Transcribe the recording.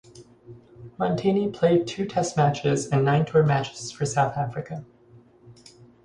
Montini played two test matches and nine tour matches for South Africa.